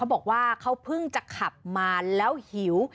บอกว่าเขาเพิ่งจะขับมาแล้วหิว